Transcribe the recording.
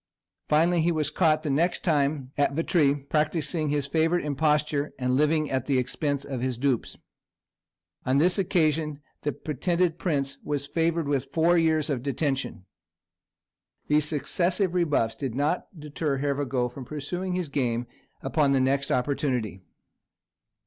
Finally, he was caught the next time at Vitry, practising his favourite imposture and living at the expense of his dupes. On this occasion the pretended prince was favoured with four years of detention. These successive rebuffs did not deter Hervagault from pursuing his game upon the next opportunity.